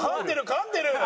噛んでるよ！